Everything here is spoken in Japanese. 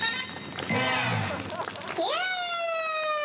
イエイ！